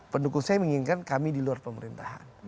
pendukung saya menginginkan kami di luar pemerintahan